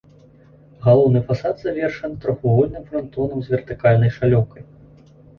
Галоўны фасад завершаны трохвугольным франтонам з вертыкальнай шалёўкай.